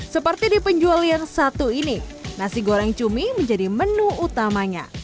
seperti di penjual yang satu ini nasi goreng cumi menjadi menu utamanya